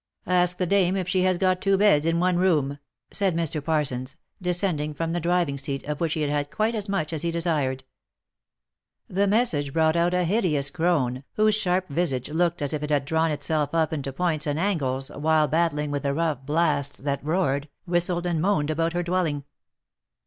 "Ask the dame if she has got two beds in one room !" said Mr. Parsons, descending from the driving seat, of which he had had quite as much as he desired. The message brought out a hideous crone, whose sharp visage looked as if it had drawn itself up into points and angles while battling with the rough blasts that roared, whistled, and moaned about her dwelling.